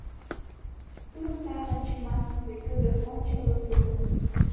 Тудым сайын ончыман, вет тудо ончыкылык тукым.